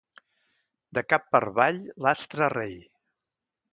De cap per avall, l'astre rei.